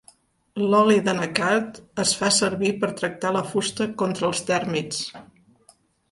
L'oli d'anacard es fa servir per tractar la fusta contra els tèrmits.